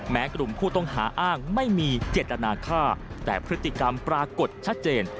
กลุ่มผู้ต้องหาอ้างไม่มีเจตนาฆ่าแต่พฤติกรรมปรากฏชัดเจน